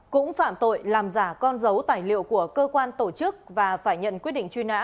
cũng phạm tội làm giả con dấu tài liệu của cơ quan tổ chức và phải nhận quyết định truy nã